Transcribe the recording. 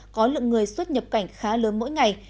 có lượng người xuất nhập cảnh khá lớn mỗi ngày